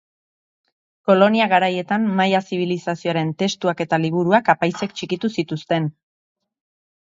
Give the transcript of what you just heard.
Kolonia garaietan maia zibilizazioaren testuak eta liburuak apaizek txikitu zituzten.